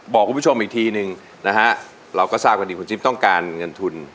บอกคุณผู้ชมอีกทีหนึ่งนะฮะเราก็ทราบกันดีคุณจิ๊บต้องการเงินทุน